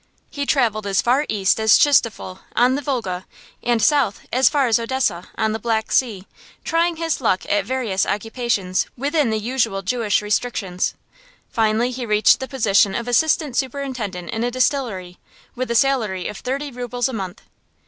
He travelled as far east as Tchistopol, on the Volga, and south as far as Odessa, on the Black Sea, trying his luck at various occupations within the usual Jewish restrictions. Finally he reached the position of assistant superintendent in a distillery, with a salary of thirty rubles a month.